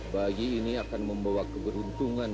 bayi ini akan membawa keberuntungan